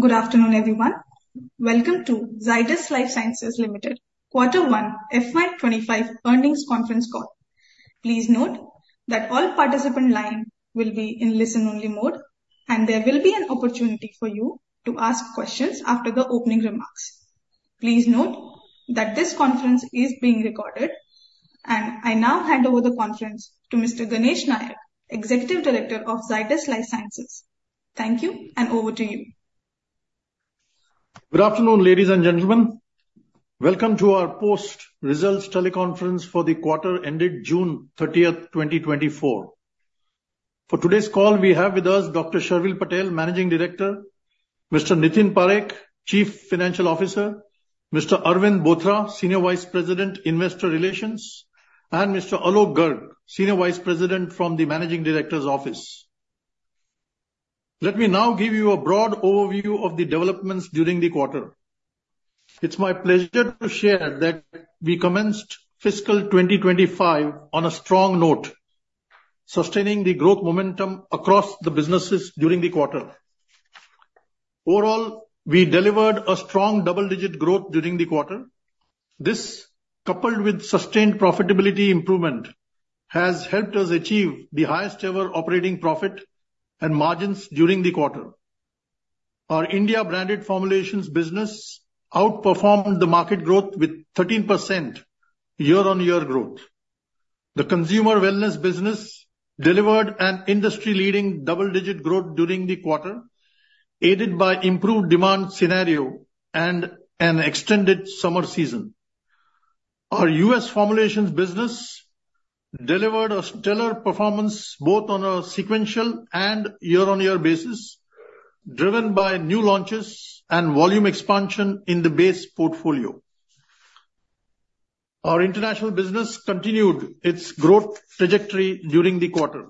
Good afternoon, everyone. Welcome to Zydus Life Sciences Limited, Quarter 1 FY25 Earnings Conference Call. Please note that all participant line will be in listen-only mode, and there will be an opportunity for you to ask questions after the opening remarks. Please note that this conference is being recorded, and I now hand over the conference to Mr. Ganesh Nayak, Executive Director of Zydus Life Sciences. Thank you, and over to you. Good afternoon, ladies and gentlemen. Welcome to our post-results teleconference for the quarter ended June 30, 2024. For today's call, we have with us Dr. Sharvil Patel, Managing Director; Mr. Nitin Parekh, Chief Financial Officer; Mr. Arvind Bothra, Senior Vice President, Investor Relations; and Mr. Alok Garg, Senior Vice President from the Managing Director's Office. Let me now give you a broad overview of the developments during the quarter. It's my pleasure to share that we commenced fiscal 2025 on a strong note, sustaining the growth momentum across the businesses during the quarter. Overall, we delivered a strong double-digit growth during the quarter. This, coupled with sustained profitability improvement, has helped us achieve the highest ever operating profit and margins during the quarter. Our India branded formulations business outperformed the market growth with 13% year-on-year growth. The consumer wellness business delivered an industry-leading double-digit growth during the quarter, aided by improved demand scenario and an extended summer season. Our US formulations business delivered a stellar performance, both on a sequential and year-on-year basis, driven by new launches and volume expansion in the base portfolio. Our international business continued its growth trajectory during the quarter.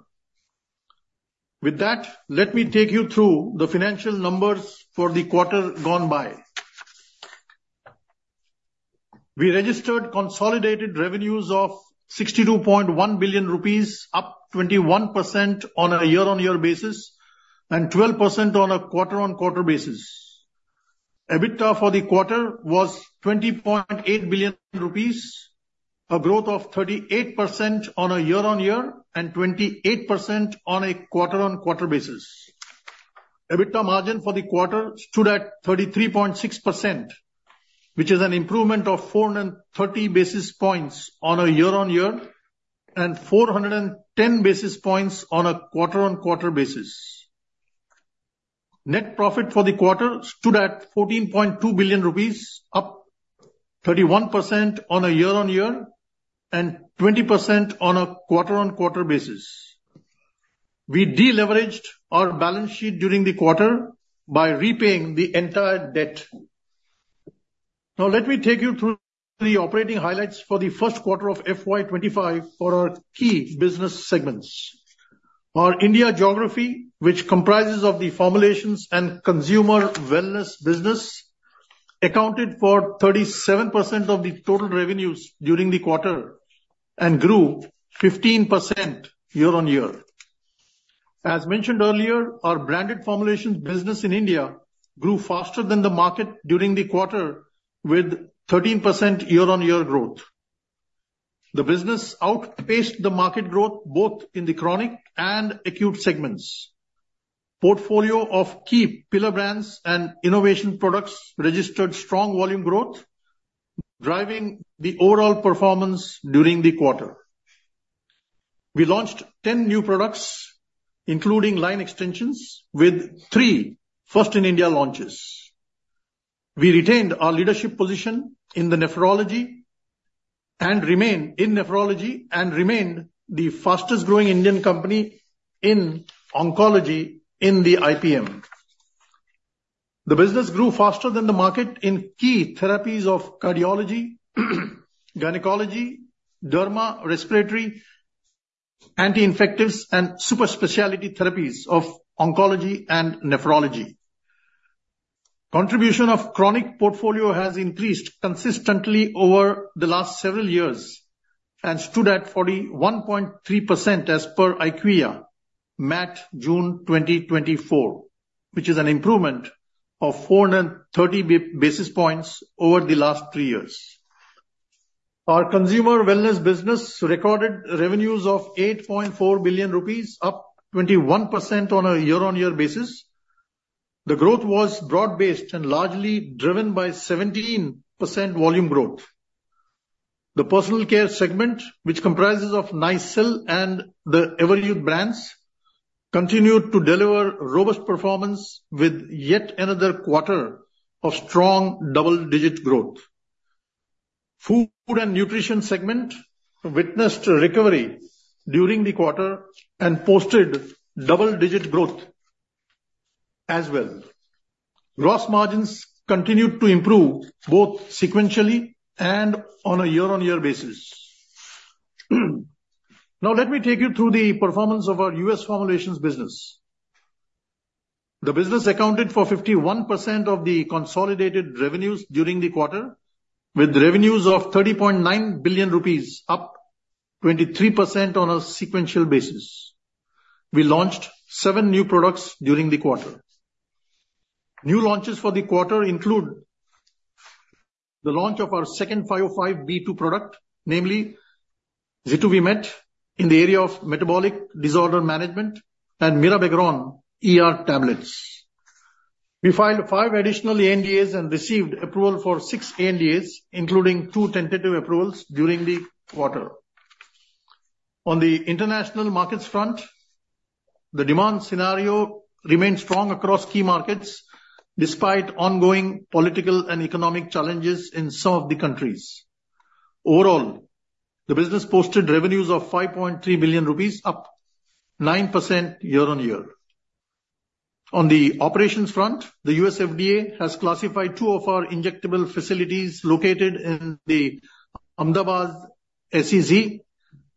With that, let me take you through the financial numbers for the quarter gone by. We registered consolidated revenues of 62.1 billion rupees, up 21% on a year-on-year basis and 12% on a quarter-on-quarter basis. EBITDA for the quarter was 20.8 billion rupees, a growth of 38% on a year-on-year and 28% on a quarter-on-quarter basis. EBITDA margin for the quarter stood at 33.6%, which is an improvement of 430 basis points on a year-on-year and 410 basis points on a quarter-on-quarter basis. Net profit for the quarter stood at 14.2 billion rupees, up 31% on a year-on-year and 20% on a quarter-on-quarter basis. We deleveraged our balance sheet during the quarter by repaying the entire debt. Now, let me take you through the operating highlights for the first quarter of FY25 for our key business segments. Our India geography, which comprises of the formulations and consumer wellness business, accounted for 37% of the total revenues during the quarter and grew 15% year-on-year. As mentioned earlier, our branded formulations business in India grew faster than the market during the quarter with 13% year-on-year growth. The business outpaced the market growth both in the chronic and acute segments. Portfolio of key pillar brands and innovation products registered strong volume growth, driving the overall performance during the quarter. We launched 10 new products, including line extensions, with 3 first-in-India launches. We retained our leadership position in the nephrology and in nephrology, and remained the fastest growing Indian company in oncology in the IPM. The business grew faster than the market in key therapies of cardiology, gynecology, derma, respiratory, anti-infectives, and super specialty therapies of oncology and nephrology. Contribution of chronic portfolio has increased consistently over the last several years and stood at 41.3% as per IQVIA, MAT June 2024, which is an improvement of 430 basis points over the last three years. Our consumer wellness business recorded revenues of 8.4 billion rupees, up 21% on a year-on-year basis. The growth was broad-based and largely driven by 17% volume growth. The personal care segment, which comprises of Nycil and the Everyuth brands, continued to deliver robust performance with yet another quarter of strong double-digit growth. Food and nutrition segment witnessed recovery during the quarter and posted double-digit growth as well. Gross margins continued to improve both sequentially and on a year-on-year basis. Now, let me take you through the performance of our U.S. formulations business. The business accounted for 51% of the consolidated revenues during the quarter, with revenues of 30.9 billion rupees, up 23% on a sequential basis. We launched seven new products during the quarter. New launches for the quarter include the launch of our second 505(b)(2) product, namely, Zituvimet, in the area of metabolic disorder management and Mirabegron ER tablets. We filed five additional ANDAs and received approval for six ANDAs, including two tentative approvals during the quarter. On the international markets front, the demand scenario remained strong across key markets, despite ongoing political and economic challenges in some of the countries. Overall, the business posted revenues of 5.3 billion rupees, up 9% year-on-year. On the operations front, the U.S. FDA has classified two of our injectable facilities located in the Ahmedabad SEZ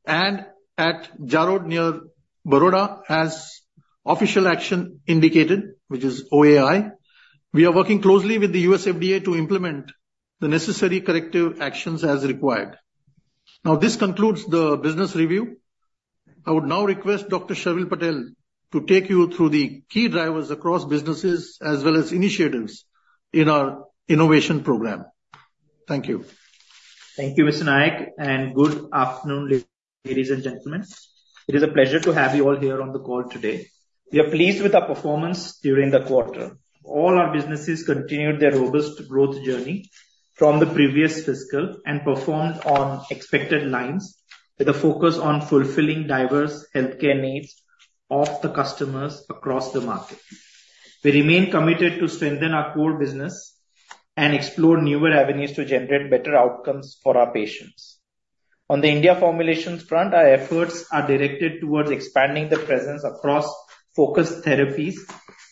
and at Jarod near Baroda, as official action indicated, which is OAI. We are working closely with the U.S. FDA to implement the necessary corrective actions as required. Now, this concludes the business review. I would now request Dr. Sharvil Patel to take you through the key drivers across businesses, as well as initiatives in our innovation program. Thank you. Thank you, Mr. Nayak, and good afternoon, ladies and gentlemen. It is a pleasure to have you all here on the call today. We are pleased with our performance during the quarter. All our businesses continued their robust growth journey from the previous fiscal and performed on expected lines, with a focus on fulfilling diverse healthcare needs of the customers across the market. We remain committed to strengthen our core business and explore newer avenues to generate better outcomes for our patients. On the India formulations front, our efforts are directed towards expanding the presence across focused therapies,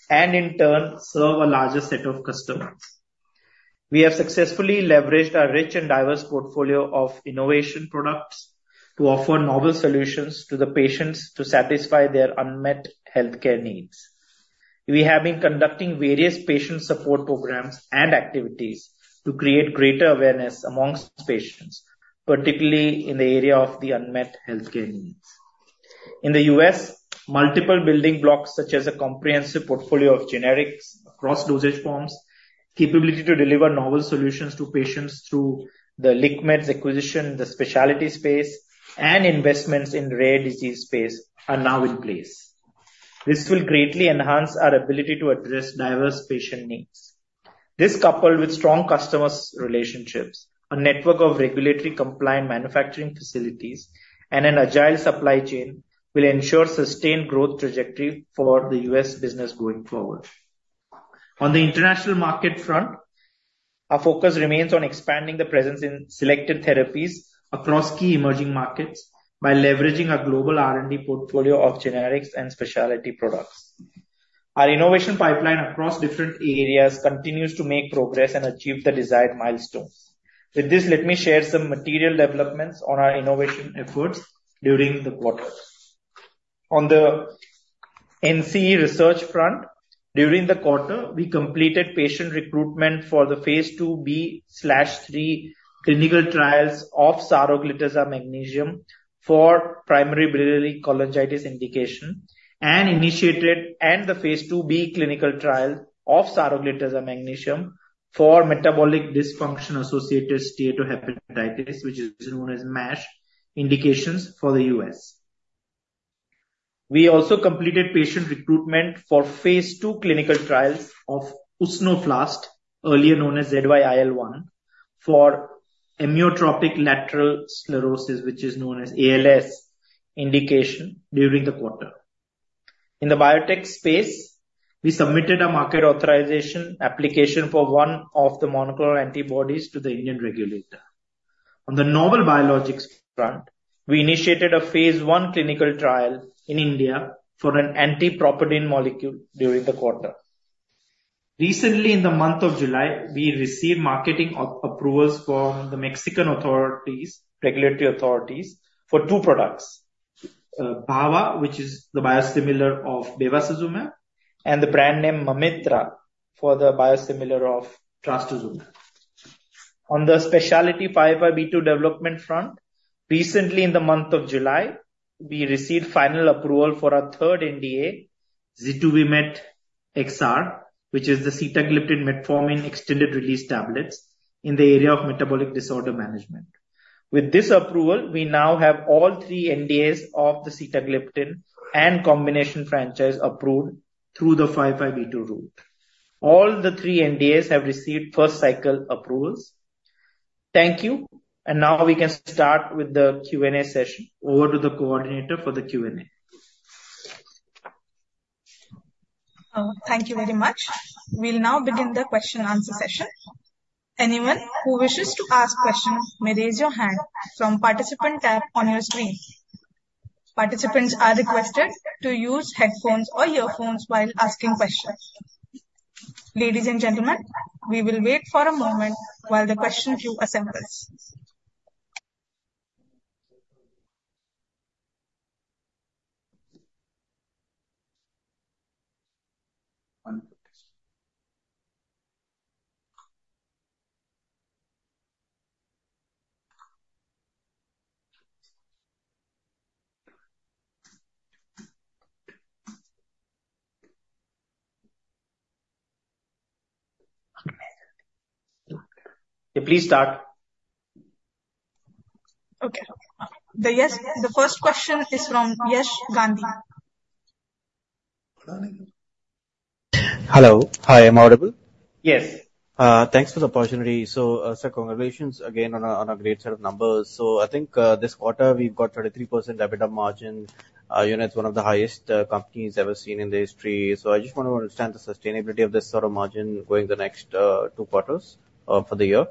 and in turn, serve a larger set of customers. We have successfully leveraged our rich and diverse portfolio of innovation products to offer novel solutions to the patients to satisfy their unmet healthcare needs. We have been conducting various patient support programs and activities to create greater awareness among patients, particularly in the area of the unmet healthcare needs. In the U.S., multiple building blocks, such as a comprehensive portfolio of generics across dosage forms, capability to deliver novel solutions to patients through the LiqMeds acquisition, the specialty space, and investments in rare disease space, are now in place. This will greatly enhance our ability to address diverse patient needs. This, coupled with strong customers' relationships, a network of regulatory-compliant manufacturing facilities, and an agile supply chain, will ensure sustained growth trajectory for the U.S. business going forward. On the international market front, our focus remains on expanding the presence in selected therapies across key emerging markets by leveraging our global R&D portfolio of generics and specialty products. Our innovation pipeline across different areas continues to make progress and achieve the desired milestones. With this, let me share some material developments on our innovation efforts during the quarter. On the NCE research front, during the quarter, we completed patient recruitment for the phase IIb/III clinical trials of Saroglitazar Magnesium for primary biliary cholangitis indication, and initiated the phase IIb clinical trial of Saroglitazar Magnesium for metabolic dysfunction-associated steatohepatitis, which is known as MASH, indication for the U.S. We also completed patient recruitment for phase II clinical trials of Usnoflast, earlier known as ZYIL1, for amyotrophic lateral sclerosis, which is known as ALS indication, during the quarter. In the biotech space, we submitted a market authorization application for one of the monoclonal antibodies to the Indian regulator. On the novel biologics front, we initiated a phase I clinical trial in India for an anti-properdin molecule during the quarter. Recently, in the month of July, we received marketing approvals from the Mexican authorities, regulatory authorities, for two products: Bambevi, which is the biosimilar of bevacizumab, and the brand name Mametra, for the biosimilar of trastuzumab. On the specialty 505(b)(2) development front, recently in the month of July, we received final approval for our third NDA, Zituvimet XR, which is the sitagliptin metformin extended release tablets in the area of metabolic disorder management. With this approval, we now have all three NDAs of the sitagliptin and combination franchise approved through the 505(b)(2) rule. All the three NDAs have received first cycle approvals. Thank you, and now we can start with the Q&A session. Over to the coordinator for the Q&A. Thank you very much. We'll now begin the question-and-answer session. Anyone who wishes to ask questions may raise your hand from Participant tab on your screen. Participants are requested to use headphones or earphones while asking questions. Ladies and gentlemen, we will wait for a moment while the question queue assembles. Please start. Okay. Yes, the first question is from Yash Gandhi. Hello. Hi, am I audible? Yes. Thanks for the opportunity. So, sir, congratulations again on a great set of numbers. So I think, this quarter, we've got 33% EBITDA margin, you know, it's one of the highest companies ever seen in the history. So I just want to understand the sustainability of this sort of margin going the next two quarters, for the year.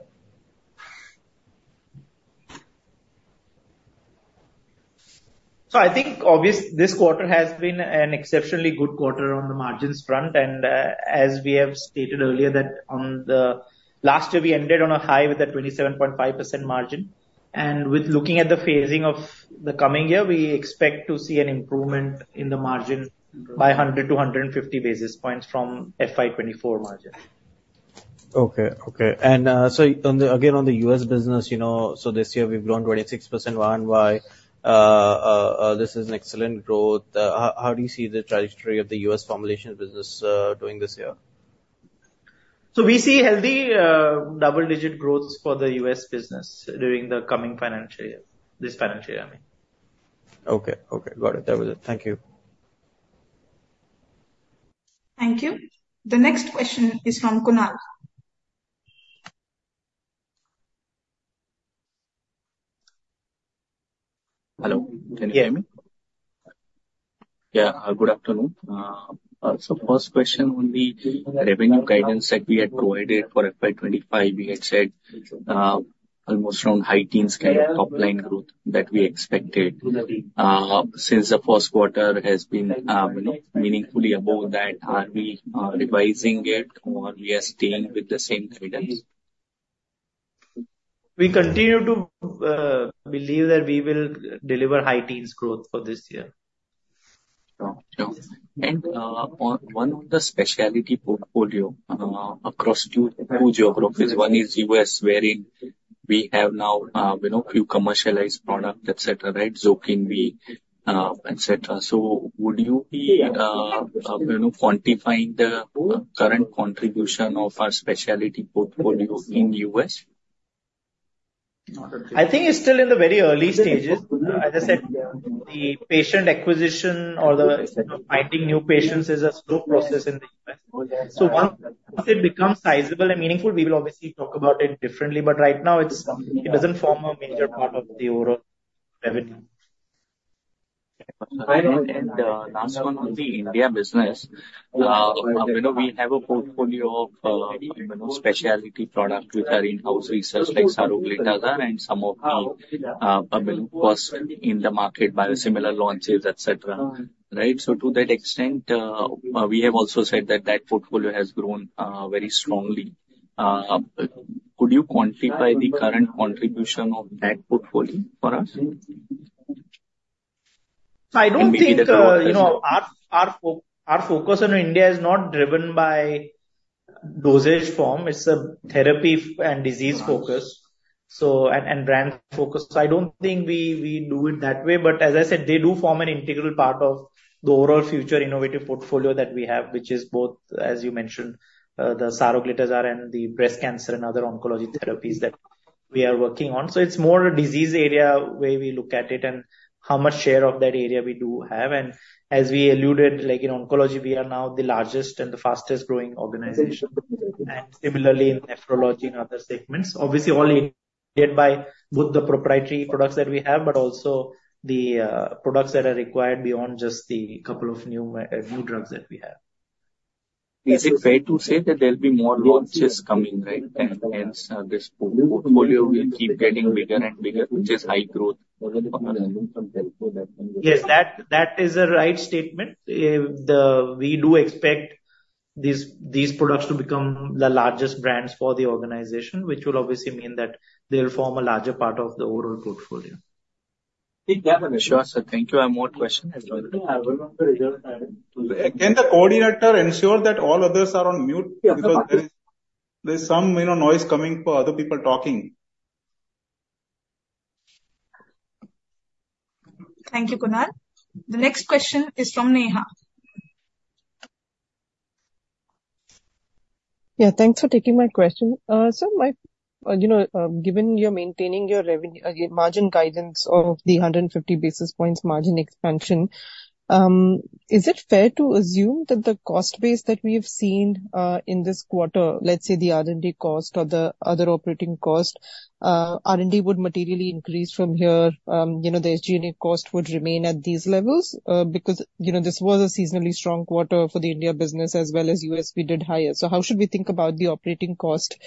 I think obviously this quarter has been an exceptionally good quarter on the margins front, and, as we have stated earlier, that on the last year, we ended on a high with a 27.5% margin. And with looking at the phasing of the coming year, we expect to see an improvement in the margin by 100-150 basis points from FY 2024 margin. Okay, okay. And so on the, again, on the U.S. business, you know, so this year we've grown 26% year-on-year. This is an excellent growth. How do you see the trajectory of the US formulation business doing this year? So we see healthy, double-digit growths for the U.S. business during the coming financial year, this financial year, I mean. Okay, okay. Got it. That was it. Thank you. Thank you. The next question is from Kunal. Hello. Can you hear me? Yeah, good afternoon. So first question on the revenue guidance that we had provided for FY25, we had said, almost around high teens kind of top line growth that we expected. Since the first quarter has been, you know, meaningfully above that, are we revising it or we are staying with the same guidance? We continue to believe that we will deliver high teens growth for this year. Oh, oh. And on the specialty portfolio across two geographies. One is U.S., wherein we have now, you know, few commercialized products, et cetera, right? Zokinvy, et cetera. So would you be, you know, quantifying the current contribution of our specialty portfolio in U.S.? I think it's still in the very early stages. As I said, the patient acquisition or the, you know, finding new patients is a slow process in the U.S. So once, once it becomes sizable and meaningful, we will obviously talk about it differently, but right now, it's it doesn't form a major part of the overall revenue. Last one on the India business. You know, we have a portfolio of, you know, specialty products with our in-house research, like Saroglitazar, and some of them have been first in the market by similar launches, et cetera, right? So to that extent, we have also said that that portfolio has grown very strongly. Could you quantify the current contribution of that portfolio for us? I don't think, you know, our focus on India is not driven by dosage form. It's a therapy and disease focus, so and brand focus. So I don't think we do it that way. But as I said, they do form an integral part of the overall future innovative portfolio that we have, which is both, as you mentioned, the Saroglitazar and the breast cancer and other oncology therapies that we are working on. So it's more a disease area, where we look at it and how much share of that area we do have. And as we alluded, like in oncology, we are now the largest and the fastest growing organization, and similarly in nephrology and other segments. Obviously, all led by both the proprietary products that we have, but also the products that are required beyond just the couple of new drugs that we have. Is it fair to say that there will be more launches coming, right? And hence, this portfolio will keep getting bigger and bigger, which is high growth for us. Yes, that is a right statement. We do expect these products to become the largest brands for the organization, which will obviously mean that they'll form a larger part of the overall portfolio. Sure, sir. Thank you. I have more question as well. Can the coordinator ensure that all others are on mute? Yes. Because there's some, you know, noise coming from other people talking. Thank you, Kunal. The next question is from Neha. Yeah, thanks for taking my question. So my, you know, given you're maintaining your revenue, your margin guidance of 150 basis points margin expansion, is it fair to assume that the cost base that we have seen, in this quarter, let's say the R&D cost or the other operating cost, R&D would materially increase from here, you know, the SG&A cost would remain at these levels? Because, you know, this was a seasonally strong quarter for the India business as well as U.S. we did higher. So how should we think about the operating cost,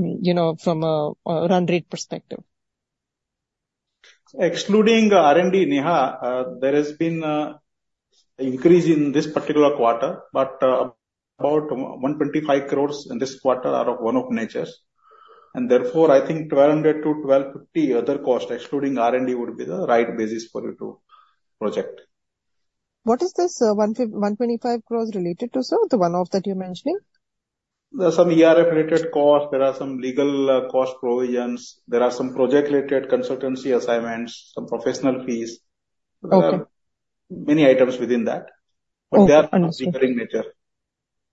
you know, from a run rate perspective? Excluding R&D, Neha, there has been increase in this particular quarter, but about 125 crore in this quarter are of one-off natures... And therefore, I think 1,200 crore-1,250 crore other costs, excluding R&D, would be the right basis for you to project. What is this 125 crore related to, sir, the one-off that you're mentioning? There are some ERF-related costs, there are some legal cost provisions, there are some project-related consultancy assignments, some professional fees. Okay. Many items within that- Okay, understood. But they are recurring nature.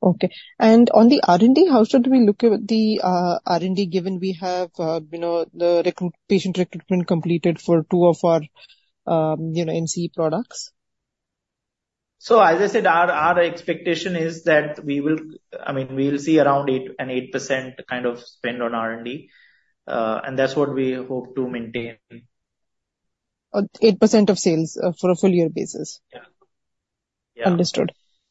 Okay. On the R&D, how should we look at the R&D, given we have, you know, the patient recruitment completed for two of our, you know, NCE products? As I said, our expectation is that we will... I mean, we will see around 8, an 8% kind of spend on R&D, and that's what we hope to maintain. 8% of sales for a full year basis? Yeah. Yeah.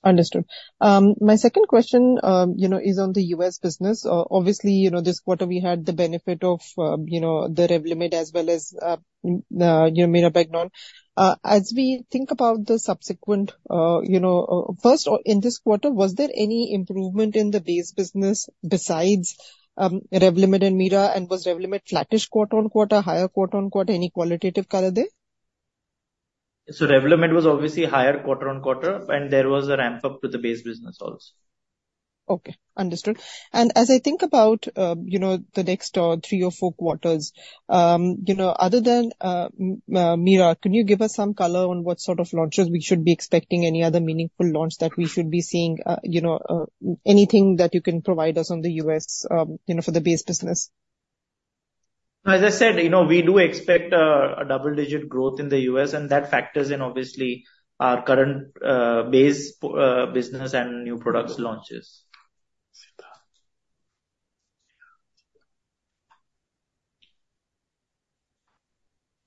Understood. Understood. My second question, you know, is on the U.S. business. Obviously, you know, this quarter we had the benefit of, you know, the Revlimid as well as, you know, Mirabegron. As we think about the subsequent, first, or in this quarter, was there any improvement in the base business besides Revlimid and Mira? And was Revlimid flattish quarter on quarter, higher quarter on quarter? Any qualitative color there? Revlimid was obviously higher quarter-over-quarter, and there was a ramp-up to the base business also. Okay, understood. And as I think about, you know, the next three or four quarters, you know, other than Mametra, can you give us some color on what sort of launches we should be expecting, any other meaningful launch that we should be seeing? You know, anything that you can provide us on the U.S. you know, for the base business. As I said, you know, we do expect a double-digit growth in the U.S. and that factors in obviously our current base business and new products launches.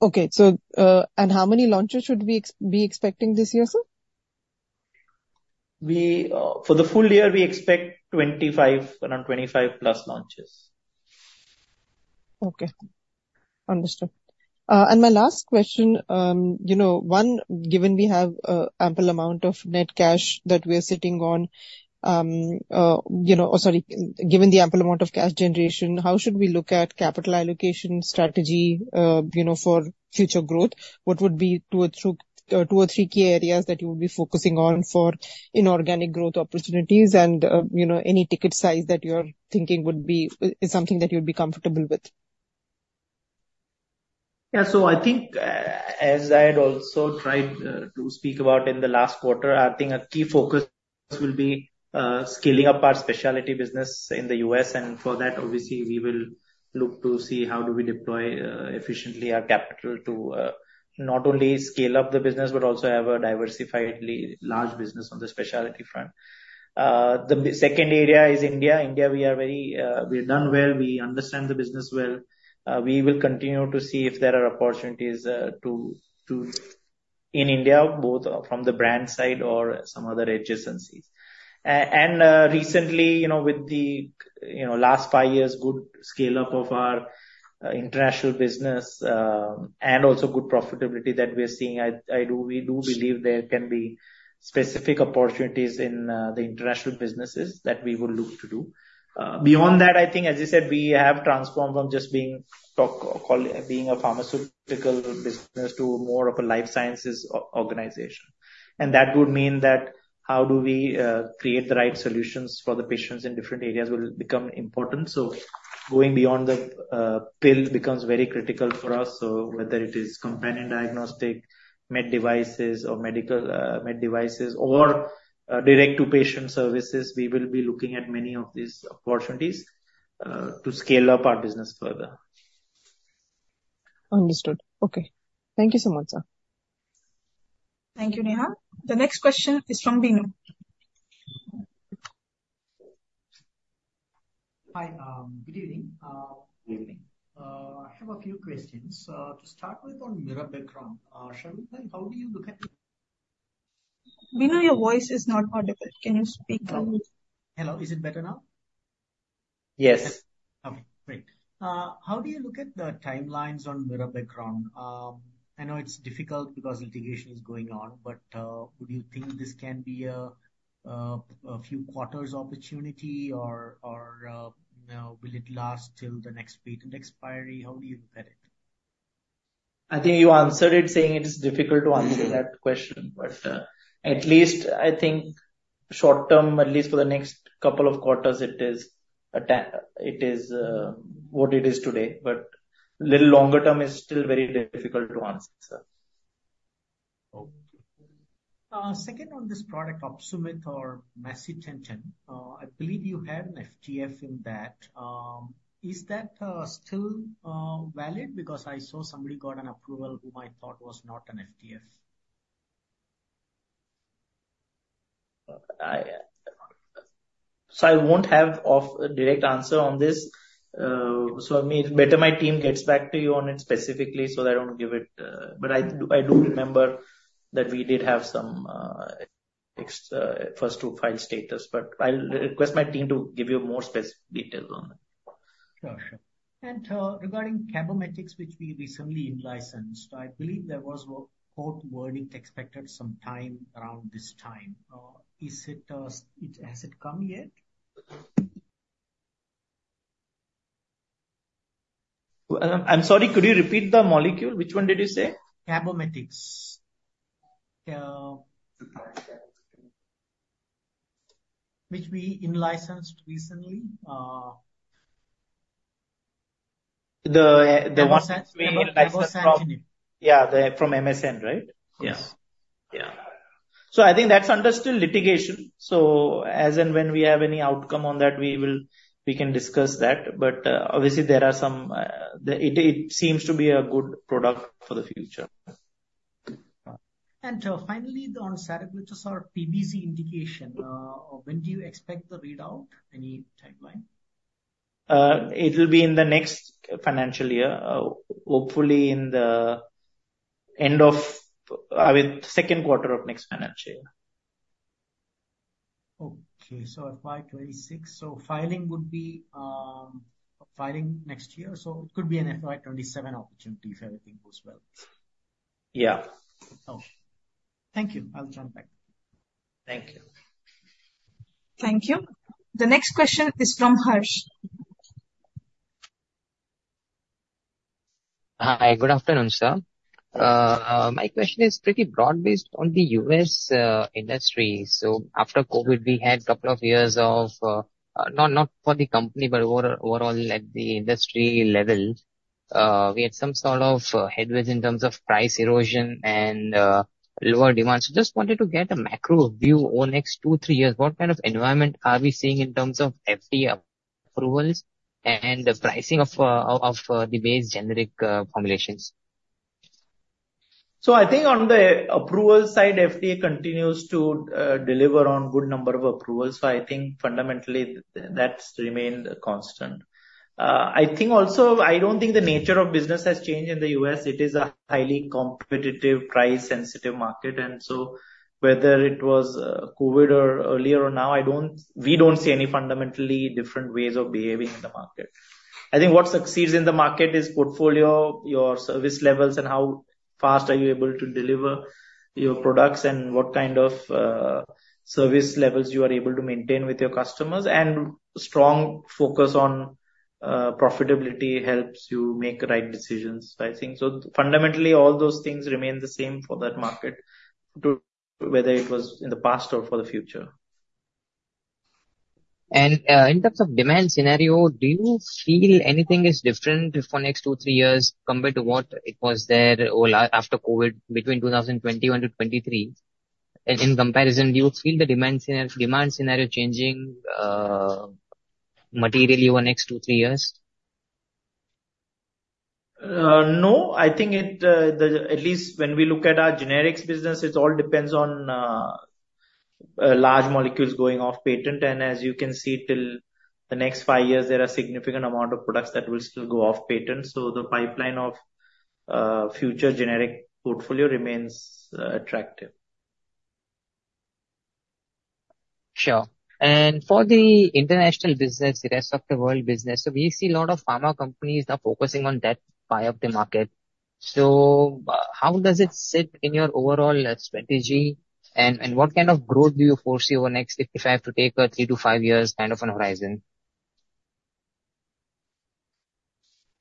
Okay. So, how many launches should we be expecting this year, sir? We, for the full-year, we expect 25, around 25+ launches. Okay. Understood. And my last question, you know, one, given we have ample amount of net cash that we are sitting on, you know, sorry, given the ample amount of cash generation, how should we look at capital allocation strategy, you know, for future growth? What would be two or three, two or three key areas that you would be focusing on for inorganic growth opportunities? And, you know, any ticket size that you're thinking would be, is something that you'd be comfortable with. Yeah. So I think, as I had also tried, to speak about in the last quarter, I think a key focus will be, scaling up our specialty business in the U.S. And for that, obviously, we will look to see how do we deploy, efficiently our capital to, not only scale up the business, but also have a diversifiedly large business on the specialty front. The second area is India. India, we are very, we've done well, we understand the business well. We will continue to see if there are opportunities, In India, both, from the brand side or some other adjacencies. And, recently, you know, with the, you know, last five years, good scale-up of our international business, and also good profitability that we are seeing, we do believe there can be specific opportunities in the international businesses that we would look to do. Beyond that, I think, as I said, we have transformed from just being a pharmaceutical business to more of a life sciences organization. And that would mean that how do we create the right solutions for the patients in different areas will become important. So going beyond the pill becomes very critical for us. So whether it is companion diagnostic, med devices or medical med devices or direct-to-patient services, we will be looking at many of these opportunities to scale up our business further. Understood. Okay. Thank you so much, sir. Thank you, Neha. The next question is from Binu. Hi, good evening. Good evening. I have a few questions. To start with, on Mirabegron, Sharvil, how do you look at it? Binu, your voice is not audible. Can you speak up? Hello, is it better now? Yes. Okay, great. How do you look at the timelines on Mirabegron? I know it's difficult because litigation is going on, but would you think this can be a few quarters opportunity or, you know, will it last till the next patent expiry? How do you look at it? I think you answered it, saying it is difficult to answer that question. But, at least I think short term, at least for the next couple of quarters, it is a it is, what it is today, but little longer term is still very difficult to answer, sir. Okay. Second, on this product, Opsumit or macitentan, I believe you had an FTF in that. Is that still valid? Because I saw somebody got an approval whom I thought was not an FTF. So I won't have a direct answer on this. So I mean, better my team gets back to you on it specifically, so I don't give it. But I do, I do remember that we did have some first to file status, but I'll request my team to give you more specific details on that. Sure, sure. And, regarding Cabometyx, which we recently in-licensed, I believe there was quote wording expected some time around this time. Is it, has it come yet? I'm sorry, could you repeat the molecule? Which one did you say? Cabometyx. Which we in-licensed recently. The one- Amgen. Amgen Yeah, the from MSN, right? Yeah. Yeah. So I think that's still under litigation, so as and when we have any outcome on that, we will, we can discuss that. But, obviously there are some... It seems to be a good product for the future. Finally, on Saroglitazar PBC indication, when do you expect the readout? Any timeline? It will be in the next financial year, hopefully in the end of, I mean, second quarter of next financial year. Okay, so at 5:26. So filing would be, filing next year, so it could be an FY 2027 opportunity if everything goes well. Yeah. Okay. Thank you. I'll jump back. Thank you. Thank you. The next question is from Harsh. Hi. Good afternoon, sir. My question is pretty broad, based on the U.S. industry. So after COVID, we had a couple of years of, not for the company, but overall at the industry level, we had some sort of headwinds in terms of price erosion and lower demand. So just wanted to get a macro view over next two, three years, what kind of environment are we seeing in terms of FDA approvals and the pricing of the base generic formulations? So I think on the approval side, FDA continues to deliver on good number of approvals. So I think fundamentally that's remained constant. I think also, I don't think the nature of business has changed in the U.S. It is a highly competitive, price-sensitive market, and so whether it was COVID or earlier or now, we don't see any fundamentally different ways of behaving in the market. I think what succeeds in the market is portfolio, your service levels, and how fast are you able to deliver your products, and what kind of service levels you are able to maintain with your customers. And strong focus on profitability helps you make the right decisions, I think. So fundamentally, all those things remain the same for that market, to whether it was in the past or for the future. In terms of demand scenario, do you feel anything is different for next two, three years compared to what it was there over after COVID, between 2021-2023? In comparison, do you feel the demand scenario changing materially over the next two, three years? No, I think, at least when we look at our generics business, it all depends on large molecules going off patent. And as you can see, till the next five years, there are significant amount of products that will still go off patent. So the pipeline of future generic portfolio remains attractive. Sure. For the international business, the rest of the world business, so we see a lot of pharma companies now focusing on that pie of the market. So how does it sit in your overall strategy, and what kind of growth do you foresee over next, if I have to take a 3-5 years kind of an horizon?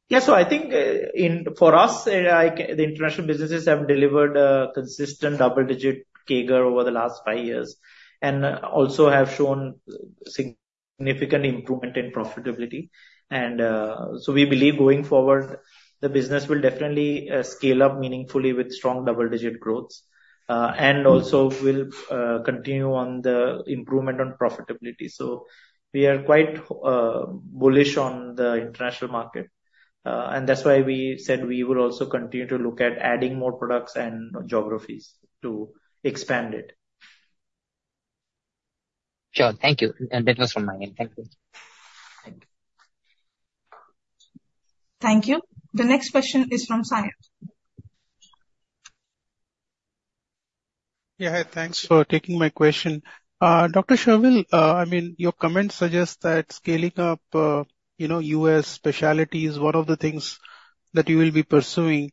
Yeah. So I think, for us, the international businesses have delivered a consistent double-digit CAGR over the last five years, and also have shown significant improvement in profitability. And, so we believe going forward, the business will definitely scale up meaningfully with strong double-digit growth, and also will continue on the improvement on profitability. So we are quite bullish on the international market, and that's why we said we will also continue to look at adding more products and geographies to expand it. Sure. Thank you. That was from my end. Thank you. Thank you. Thank you. The next question is from Sayan. Yeah, hi. Thanks for taking my question. Dr. Sharvil, I mean, your comments suggest that scaling up, you know, U.S. specialty is one of the things that you will be pursuing.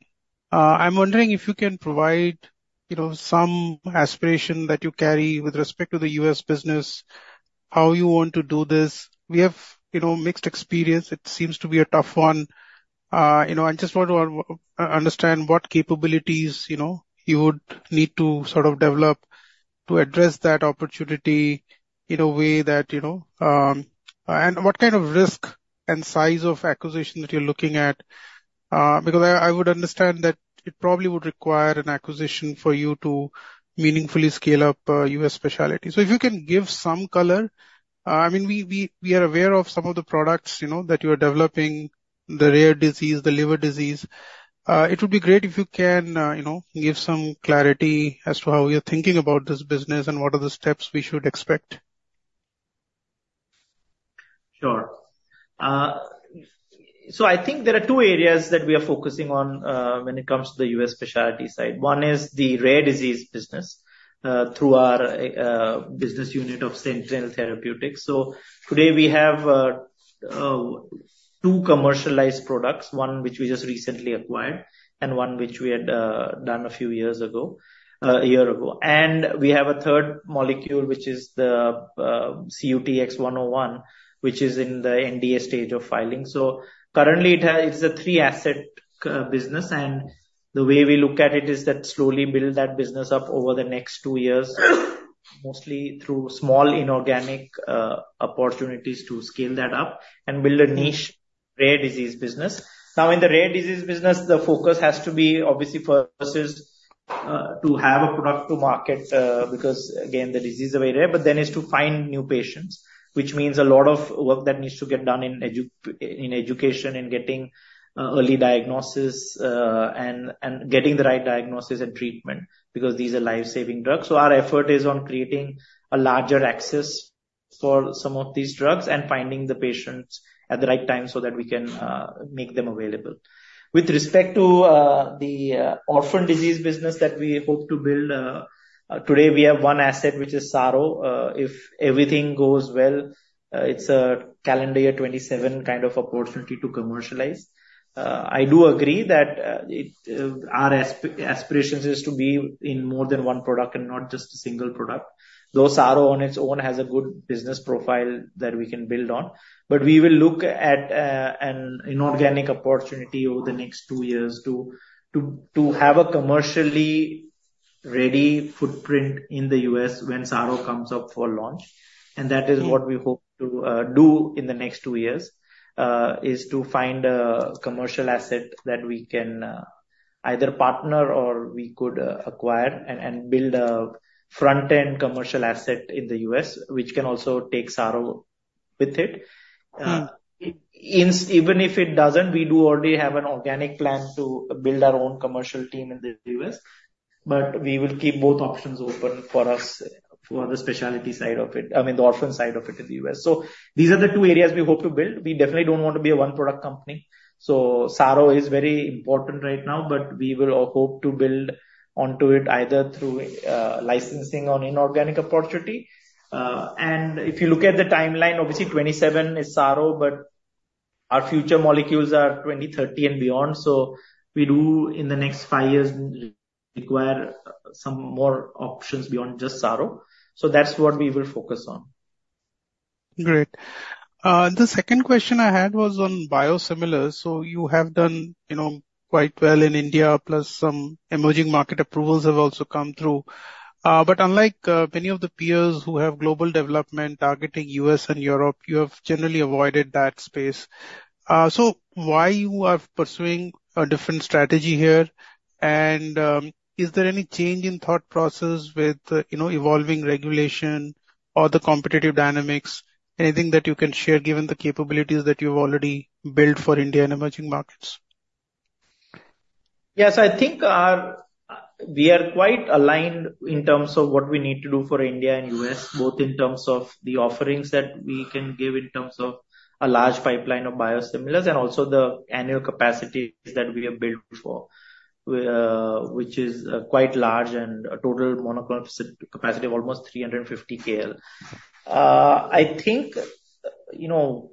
I'm wondering if you can provide, you know, some aspiration that you carry with respect to the U.S. business, how you want to do this. We have, you know, mixed experience. It seems to be a tough one. I just want to understand what capabilities, you know, you would need to sort of develop to address that opportunity in a way that, you know And what kind of risk and size of acquisition that you're looking at? Because I would understand that it probably would require an acquisition for you to meaningfully scale up, U.S. specialty. So if you can give some color. I mean, we are aware of some of the products, you know, that you are developing, the rare disease, the liver disease. It would be great if you can, you know, give some clarity as to how you're thinking about this business and what are the steps we should expect. Sure. So I think there are two areas that we are focusing on, when it comes to the U.S. specialty side. One is the rare disease business, through our business unit of Sentynl Therapeutics. So today we have two commercialized products, one which we just recently acquired and one which we had done a few years ago, a year ago. And we have a third molecule, which is the CUTX-101, which is in the NDA stage of filing. So currently, it, it's a three asset business, and the way we look at it is that slowly build that business up over the next two years, mostly through small inorganic opportunities to scale that up and build a niche rare disease business. Now, in the rare disease business, the focus has to be, obviously, first is to have a product to market, because again, the disease is very rare. But then is to find new patients, which means a lot of work that needs to get done in education, in getting early diagnosis, and getting the right diagnosis and treatment, because these are life-saving drugs. So our effort is on creating a larger access for some of these drugs and finding the patients at the right time so that we can make them available. With respect to the orphan disease business that we hope to build, today, we have one asset, which is Saroglitazar. If everything goes well, it's a calendar year 2027 kind of opportunity to commercialize. I do agree that, our aspirations is to be in more than one product and not just a single product, though Saro on its own has a good business profile that we can build on. But we will look at, an inorganic opportunity over the next two years to have a commercially ready footprint in the U.S. when Saro comes up for launch. And that is what we hope to do in the next two years, is to find a commercial asset that we can, either partner or we could, acquire and build a front-end commercial asset in the U.S. which can also take Saro with it. Even if it doesn't, we do already have an organic plan to build our own commercial team in the U.S., but we will keep both options open for us, for the specialty side of it. I mean, the orphan side of it in the U.S. So these are the two areas we hope to build. We definitely don't want to be a one-product company. So Saro is very important right now, but we will hope to build onto it either through licensing or inorganic opportunity. And if you look at the timeline, obviously, 2027 is Saro, but our future molecules are 2030 and beyond. So we do, in the next five years, require some more options beyond just Saro. So that's what we will focus on. Great. The second question I had was on biosimilars. So you have done, you know, quite well in India, plus some emerging market approvals have also come through. But unlike many of the peers who have global development targeting U.S. and Europe, you have generally avoided that space. So why you are pursuing a different strategy here? And is there any change in thought process with, you know, evolving regulation or the competitive dynamics? Anything that you can share, given the capabilities that you've already built for India and emerging markets? Yes, I think we are quite aligned in terms of what we need to do for India and U.S. both in terms of the offerings that we can give, in terms of a large pipeline of biosimilars, and also the annual capacity that we have built for, which is quite large and a total monoclonal capacity of almost 350 KL. I think, you know,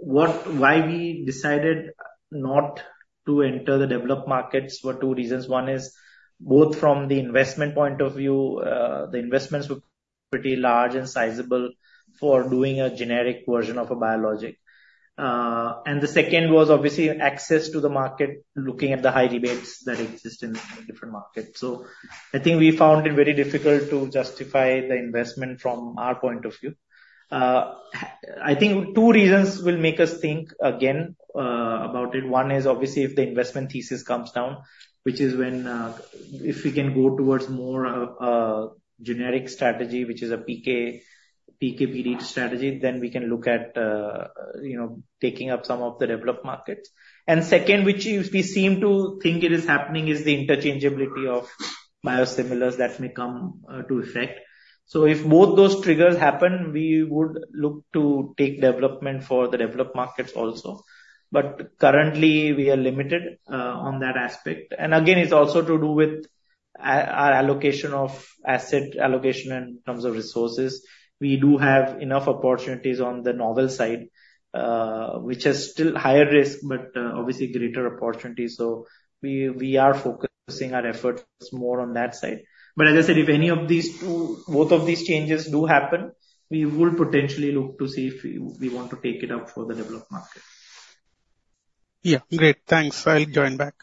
why we decided not to enter the developed markets were two reasons. One is, both from the investment point of view, the investments were pretty large and sizable for doing a generic version of a biologic. And the second was obviously access to the market, looking at the high rebates that exist in different markets. So I think we found it very difficult to justify the investment from our point of view. I think two reasons will make us think again about it. One is obviously, if the investment thesis comes down, which is when, if we can go towards more, a generic strategy, which is a PK, PK, PD strategy, then we can look at, you know, taking up some of the developed markets. And second, which we seem to think it is happening, is the interchangeability of biosimilars that may come to effect. So if both those triggers happen, we would look to take development for the developed markets also. But currently, we are limited on that aspect. And again, it's also to do with our allocation of asset allocation in terms of resources. We do have enough opportunities on the novel side, which is still higher risk, but obviously greater opportunity. So we are focusing our efforts more on that side. But as I said, if both of these changes do happen, we will potentially look to see if we want to take it up for the developed market. Yeah, great. Thanks. I'll join back.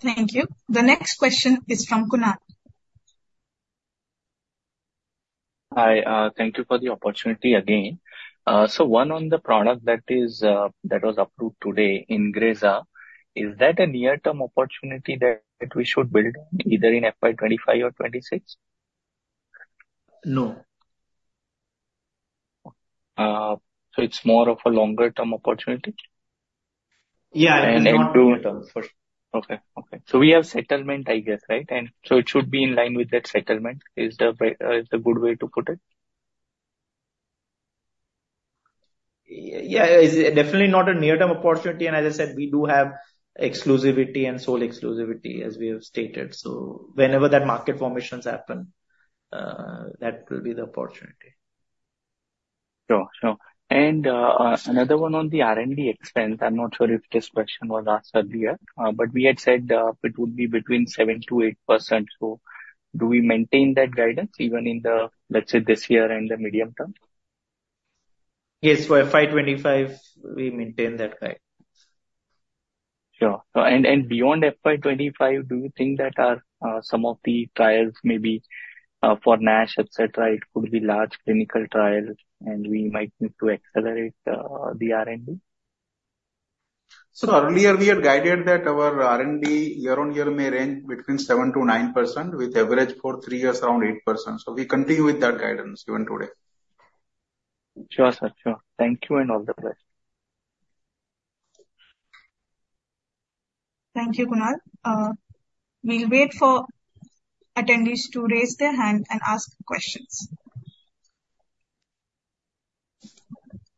Thank you. The next question is from Kunal. Hi. Thank you for the opportunity again. So one on the product that is, that was approved today, Ingrezza. Is that a near-term opportunity that we should build on, either in FY2025 or FY2026? No. It's more of a longer-term opportunity? Yeah. Okay. Okay. So we have settlement, I guess, right? And so it should be in line with that settlement, is a good way to put it? Yeah, it's definitely not a near-term opportunity, and as I said, we do have exclusivity and sole exclusivity as we have stated. So whenever that market formations happen, that will be the opportunity. Sure, sure. And, another one on the R&D expense. I'm not sure if this question was asked earlier, but we had said, it would be between 7%-8%. So do we maintain that guidance even in the, let's say, this year and the medium term? Yes, for FY2025, we maintain that guide. Sure. So, beyond FY2025, do you think that some of the trials may be for NASH, et cetera, it could be large clinical trials, and we might need to accelerate the R&D? So earlier, we had guided that our R&D year-on-year may range between 7%-9%, with average for 3 years around 8%. So we continue with that guidance even today. Sure, sir. Sure. Thank you, and all the best. Thank you, Kunal. We'll wait for attendees to raise their hand and ask questions.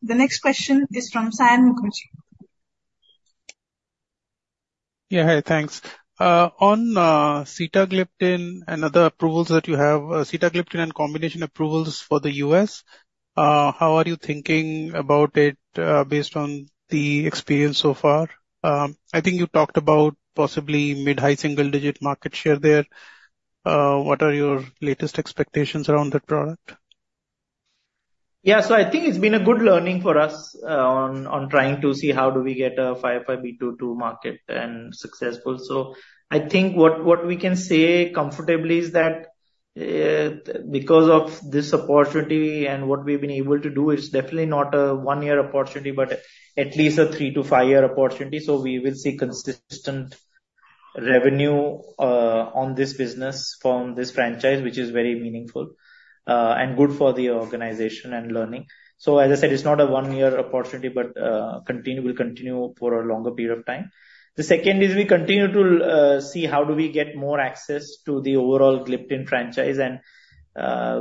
The next question is from Sayan Mukherjee. Yeah, hi, thanks. On sitagliptin and other approvals that you have, sitagliptin and combination approvals for the U.S., how are you thinking about it, based on the experience so far? I think you talked about possibly mid-high single-digit market share there. What are your latest expectations around that product? Yeah, so I think it's been a good learning for us, on trying to see how do we get a 505(b)(2) to market and successful. So I think what we can say comfortably is that, because of this opportunity and what we've been able to do, it's definitely not a 1-year opportunity, but at least a 3-5 year opportunity. So we will see consistent revenue, on this business from this franchise, which is very meaningful, and good for the organization and learning. So as I said, it's not a 1-year opportunity, but will continue for a longer period of time. The second is we continue to see how do we get more access to the overall gliptin franchise, and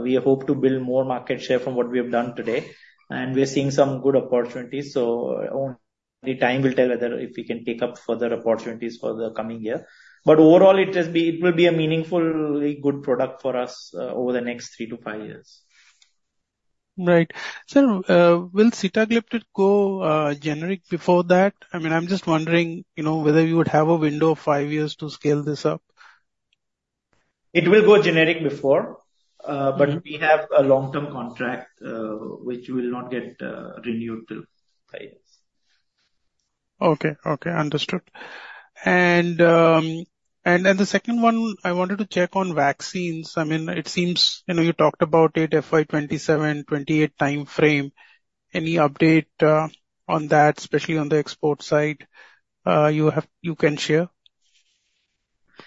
we hope to build more market share from what we have done today. We are seeing some good opportunities, so only time will tell whether if we can take up further opportunities for the coming year. But overall, it will be a meaningfully good product for us over the next 3-5 years. Right. So, will sitagliptin go generic before that? I mean, I'm just wondering, you know, whether you would have a window of five years to scale this up. It will go generic before, But we have a long-term contract, which will not get renewed till five years. Okay, okay. Understood. And the second one, I wanted to check on vaccines. I mean, it seems, you know, you talked about it, FY2027-FY2028 timeframe. Any update on that, especially on the export side, you have you can share?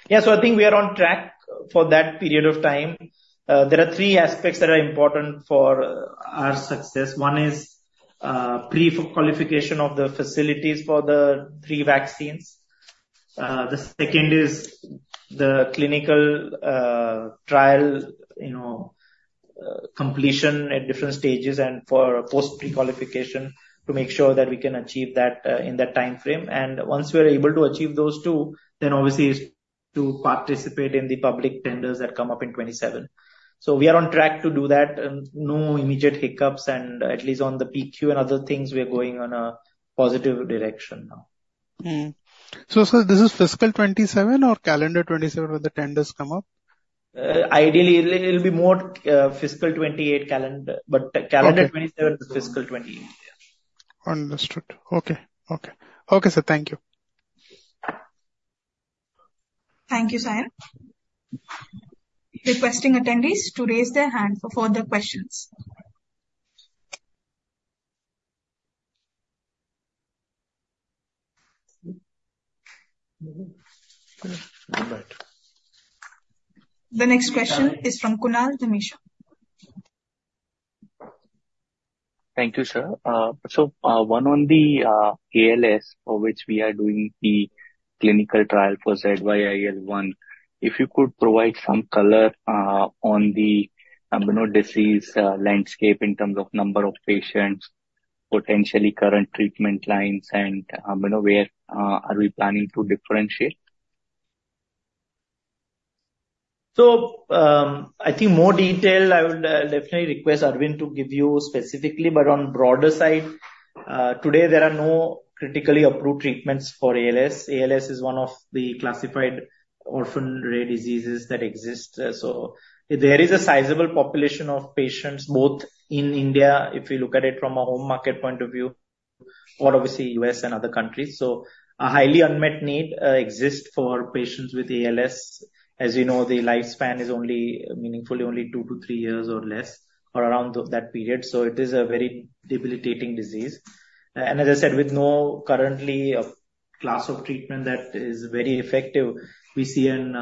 Yeah. So I think we are on track for that period of time. There are three aspects that are important for our success. One is, pre-qualification of the facilities for the three vaccines. The second is the clinical, trial, you know, completion at different stages and for post-prequalification to make sure that we can achieve that, in that timeframe. And once we are able to achieve those two, then obviously is to participate in the public tenders that come up in 2027. So we are on track to do that, and no immediate hiccups, and at least on the PQ and other things, we are going on a positive direction now. Mm-hmm. So, sir, this is fiscal 2027 or calendar 2027 when the tenders come up? Ideally, it'll be more fiscal 28 calendar, but- Okay. - calendar 2027 to fiscal 2028, yeah. Understood. Okay. Okay. Okay, sir, thank you. Thank you, Sayan. Requesting attendees to raise their hand for further questions. Good. Good. The next question is from Kunal Dhamesha. Thank you, sir. So, one on the ALS, for which we are doing the clinical trial for ZYIL1, if you could provide some color on the, you know, disease landscape in terms of number of patients, potentially current treatment lines and, you know, where are we planning to differentiate? I think more detail, I would definitely request Arvind to give you specifically, but on broader side, today, there are no currently approved treatments for ALS. ALS is one of the classified orphan rare diseases that exist. So there is a sizable population of patients, both in India, if we look at it from a home market point of view, or obviously U.S. and other countries. So a highly unmet need exists for patients with ALS. As you know, the lifespan is only, meaningfully only two to three years or less, or around of that period, so it is a very debilitating disease. And as I said, with no currently class of treatment that is very effective, we see an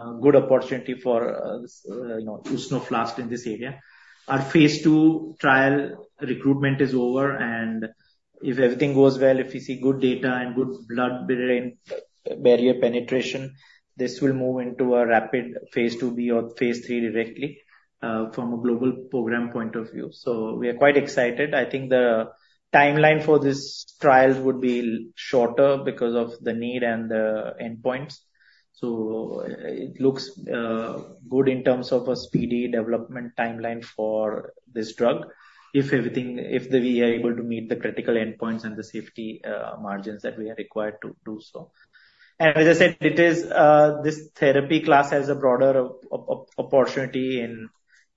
a good opportunity for, you know, Usnoflast in this area. Our phase II trial recruitment is over, and if everything goes well, if we see good data and good blood-brain barrier penetration, this will move into a rapid phase IIb or phase III directly, from a global program point of view. So we are quite excited. I think the timeline for these trials would be shorter because of the need and the endpoints. So it looks good in terms of a speedy development timeline for this drug, if everything, if the, we are able to meet the critical endpoints and the safety margins that we are required to do so. And as I said, it is this therapy class has a broader opportunity in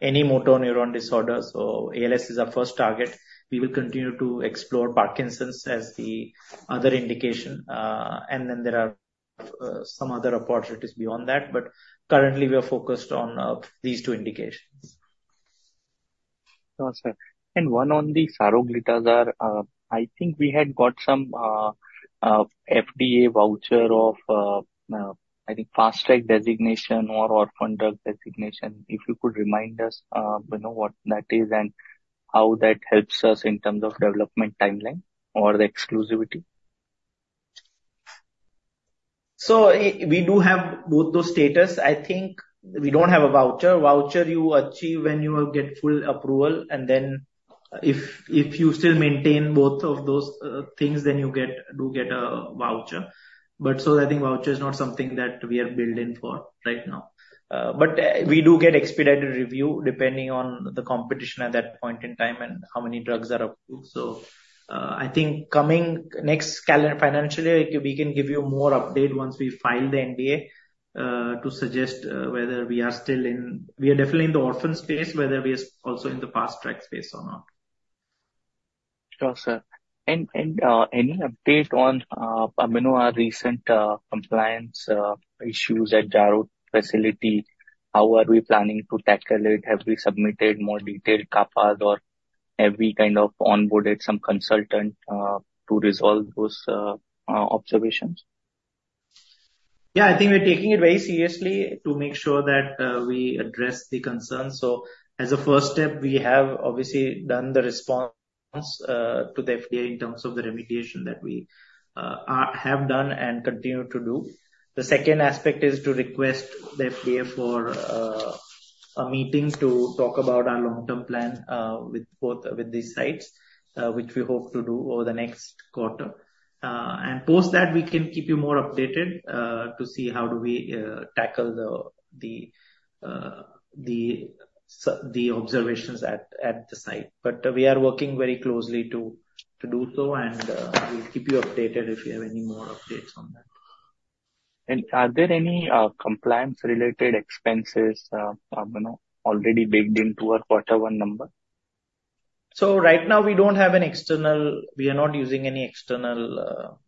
any motor neuron disorder. So ALS is our first target. We will continue to explore Parkinson's as the other indication, and then there are some other opportunities beyond that, but currently we are focused on these two indications. Sure, sir. And one on the Saroglitazar. I think we had got some FDA voucher of, I think fast track designation or orphan drug designation. If you could remind us, you know, what that is and how that helps us in terms of development timeline or the exclusivity. So we do have both those status. I think we don't have a voucher. Voucher you achieve when you get full approval, and then if you still maintain both of those things, then you do get a voucher. But so I think voucher is not something that we are building for right now. But we do get expedited review depending on the competition at that point in time and how many drugs are approved. So I think coming next calendar financial year, we can give you more update once we file the NDA to suggest whether we are still in... We are definitely in the orphan space, whether we are also in the fast track space or not. Sure, sir. And, any update on, you know, our recent, compliance, issues at Jarod facility? How are we planning to tackle it? Have we submitted more detailed CAPAs, or have we kind of onboarded some consultant, to resolve those, observations? Yeah, I think we're taking it very seriously to make sure that we address the concerns. So as a first step, we have obviously done the response to the FDA in terms of the remediation that we have done and continue to do. The second aspect is to request the FDA for a meeting to talk about our long-term plan with both, with these sites, which we hope to do over the next quarter. And post that, we can keep you more updated to see how do we tackle the observations at the site. But we are working very closely to do so, and we'll keep you updated if you have any more updates on that. Are there any compliance-related expenses, you know, already baked into our quarter one number? So right now, we don't have an external. We are not using any external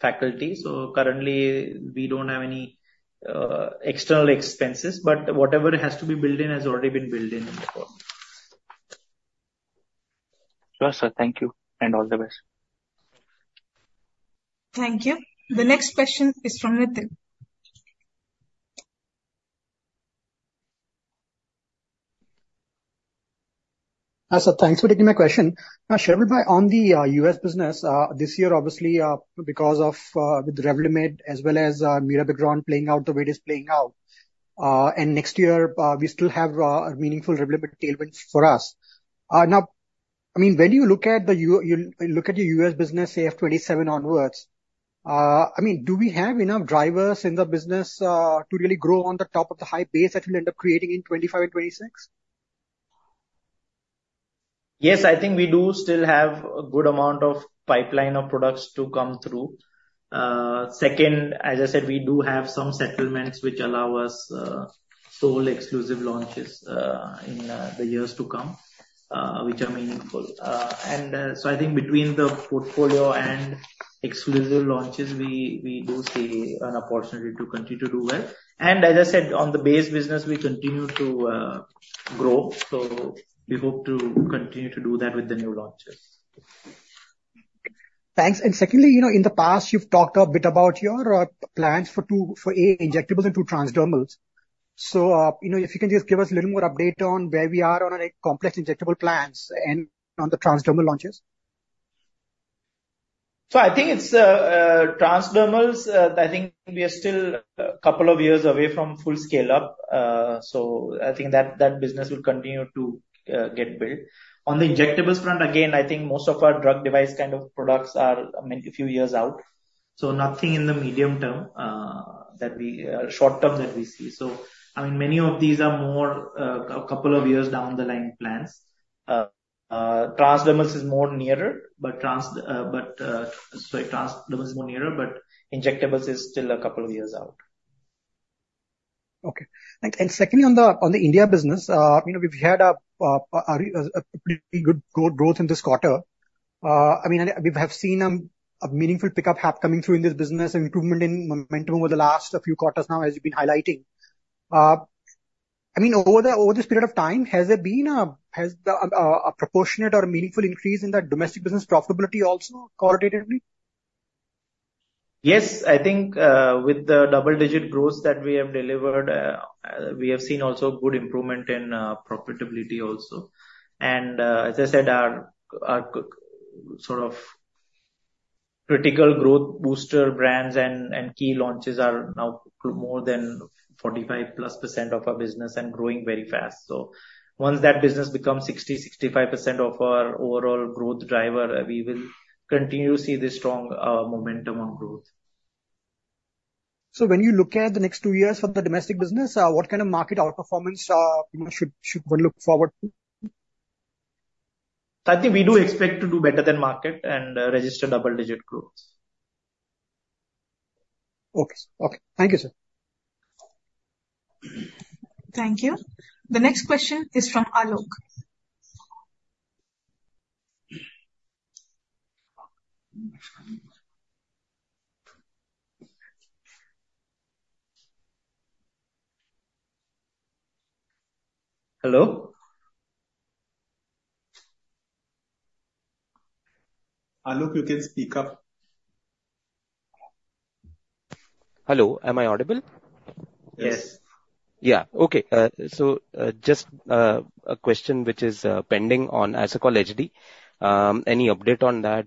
faculty. So currently, we don't have any external expenses, but whatever has to be built in has already been built in in the quarter. Sure, sir. Thank you, and all the best. Thank you. The next question is from Nitin. Sir, thanks for taking my question. Now, Sharvilbhai, on the U.S. business, this year, obviously, because of with the Revlimid as well as Mirabegron playing out the way it is playing out, and next year, we still have a meaningful Revlimid tailwinds for us. Now, I mean, when you look at the U.S. business, say, of 2027 onwards, I mean, do we have enough drivers in the business to really grow on the top of the high base that we'll end up creating in 2025 and 2026? Yes, I think we do still have a good amount of pipeline of products to come through. Second, as I said, we do have some settlements which allow us sole exclusive launches in the years to come, which are meaningful. And so I think between the portfolio and exclusive launches, we, we do see an opportunity to continue to do well. And as I said, on the base business, we continue to grow, so we hope to continue to do that with the new launches. Thanks. And secondly, you know, in the past, you've talked a bit about your plans for two injectables and two transdermals. So, you know, if you can just give us a little more update on where we are on our complex injectable plans and on the transdermal launches. So I think it's transdermals. I think we are still a couple of years away from full scale up. So I think that business will continue to get built. On the injectables front, again, I think most of our drug device kind of products are, I mean, a few years out. So nothing in the medium term that we short term that we see. So, I mean, many of these are more a couple of years down the line plans. Transdermals is more nearer, but but, sorry, transdermal is more nearer, but injectables is still a couple of years out. Okay. Thank you. And secondly, on the India business, you know, we've had a pretty good growth in this quarter. I mean, and we have seen a meaningful pickup happening coming through in this business, an improvement in momentum over the last few quarters now, as you've been highlighting. I mean, over this period of time, has there been a proportionate or meaningful increase in that domestic business profitability also correlatively? Yes. I think, with the double-digit growth that we have delivered, we have seen also good improvement in profitability also. As I said, our sort of critical growth booster brands and key launches are now more than 45+% of our business and growing very fast. Once that business becomes 60%-65% of our overall growth driver, we will continue to see the strong momentum on growth. When you look at the next two years for the domestic business, what kind of market outperformance, you know, should we look forward to? I think we do expect to do better than market and register double-digit growth. Okay, sir. Okay. Thank you, sir. Thank you. The next question is from Alok. Hello? Alok, you can speak up. Hello, am I audible? Yes. Yeah. Okay. So, just a question which is pending on Asacol HD. Any update on that?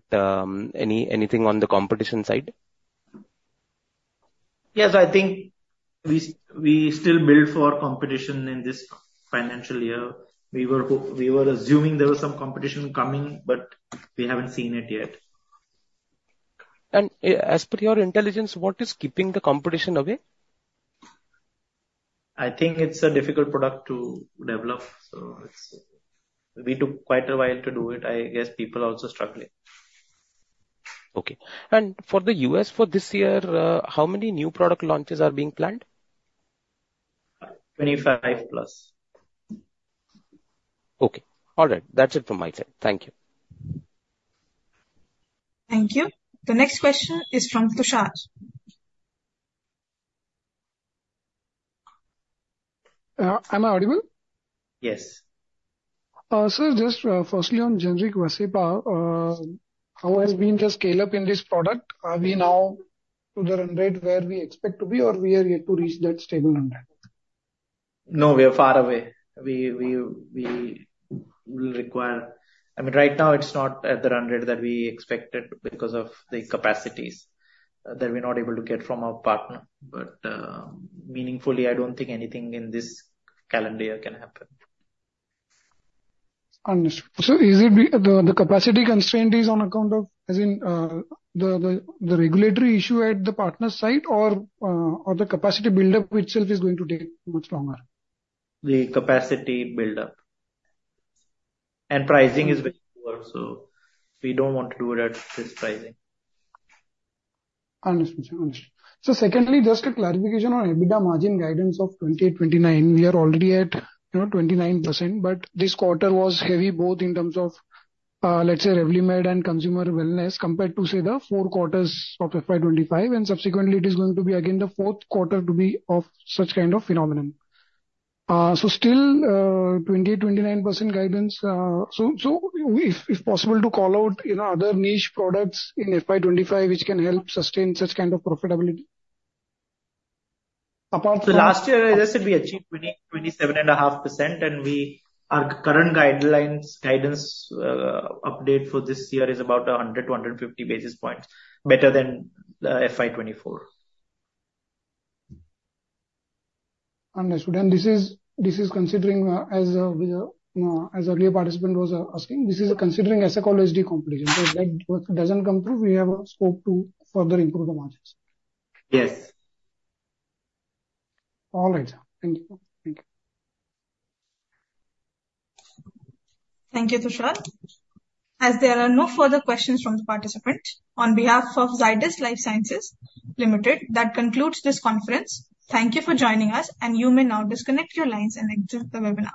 Anything on the competition side? Yes, I think we still build for competition in this financial year. We were assuming there was some competition coming, but we haven't seen it yet. As per your intelligence, what is keeping the competition away? I think it's a difficult product to develop, so it's... We took quite a while to do it. I guess people are also struggling. Okay. For the U.S. for this year, how many new product launches are being planned? 25+. Okay. All right. That's it from my side. Thank you. Thank you. The next question is from Tushar. Am I audible? Yes. Sir, just, firstly, on generic Vascepa, how has been the scale-up in this product? Are we now to the run rate where we expect to be, or we are yet to reach that stable run rate? No, we are far away. We will require... I mean, right now, it's not at the run rate that we expected because of the capacities that we're not able to get from our partner. But, meaningfully, I don't think anything in this calendar year can happen. Understood. So is it the capacity constraint on account of, as in, the regulatory issue at the partner site, or the capacity buildup itself is going to take much longer? The capacity buildup. Pricing is very poor, so we don't want to do it at this pricing. Understood, sir. Understood. So secondly, just a clarification on EBITDA margin guidance of 28-29. We are already at, you know, 29%, but this quarter was heavy, both in terms of, let's say, Revlimid and Consumer Wellness, compared to, say, the four quarters of FY 25, and subsequently, it is going to be again the fourth quarter to be of such kind of phenomenon. So still, 28%-29% guidance. So if possible, to call out, you know, other niche products in FY 25, which can help sustain such kind of profitability. Apart from- Last year, as I said, we achieved 20, 27.5%, and we, our current guidelines, guidance, update for this year is about 100-150 basis points better than the FY 2024. Understood. And this is, considering, as the earlier participant was asking, this is considering Asacol HD competion. If that doesn't come through, we have a scope to further improve the margins. Yes. All right, sir. Thank you. Thank you. Thank you, Tushar. As there are no further questions from the participants, on behalf of Zydus Life Sciences Limited, that concludes this conference. Thank you for joining us, and you may now disconnect your lines and exit the webinar.